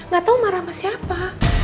gak tau marah sama siapa